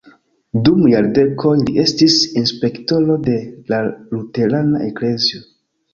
Dum jardekoj li estis inspektoro de la luterana eklezio.